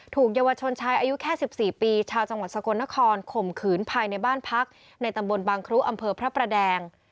เยาวชนชายอายุแค่๑๔ปีชาวจังหวัดสกลนครข่มขืนภายในบ้านพักในตำบลบางครุอำเภอพระประแดง